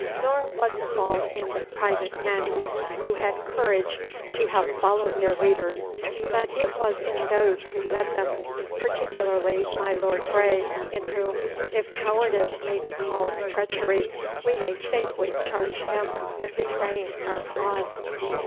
Nor was the fault in the private men, who had courage to have followed their leaders, but it was in those who led them, particularly my Lord Grey, in whom, if cowardice may be called treachery, we may safely charge him with betraying our cause.